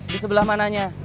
di sebelah mananya